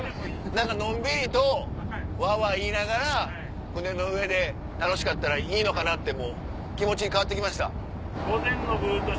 何かのんびりとわわ言いながら船の上で楽しかったらいいのかなってもう気持ちに変わって来ました。